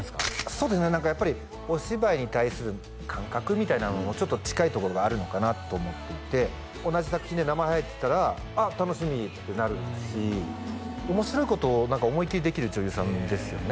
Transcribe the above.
そうですね何かやっぱりお芝居に対する感覚みたいなのもちょっと近いところがあるのかなと思っていて同じ作品で名前入ってたらあっ楽しみってなるし面白いことを思い切りできる女優さんですよね